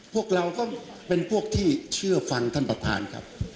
พวกเราก็เป็นพวกที่เชื่อฟังท่านประธานครับ